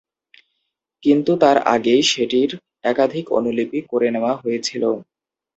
কিন্তু তার আগেই সেটির একাধিক অনুলিপি করে নেওয়া হয়েছিল।